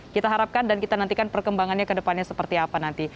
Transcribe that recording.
kita harapkan dan kita nantikan perkembangannya kedepannya seperti apa nanti